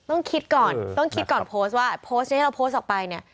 ต้องคิดก่อนต้องคิดก่อนโพสต์ว่าโพสต์นี้เราโพสต์ออกไปเนี่ย